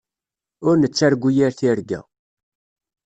Ur nettargu yir tirga.